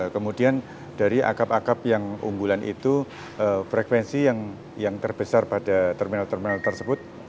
kemudian dari akap akap yang unggulan itu frekuensi yang terbesar pada terminal terminal tersebut